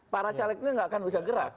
para caleg ini nggak akan bisa gerak